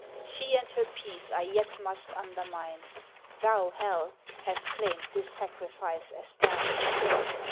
She and her peace I yet must undermine : Thou, Hell, hast claimed this sacrifice as thine